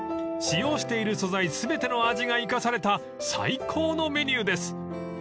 ［使用している素材全ての味が生かされた最高のメニューです］